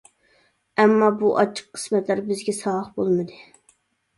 ئەمما بۇ ئاچچىق قىسمەتلەر بىزگە ساۋاق بولمىدى.